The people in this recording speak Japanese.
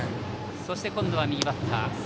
そして今度は右バッター。